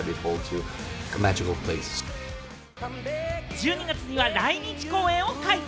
１２月には来日公演を開催。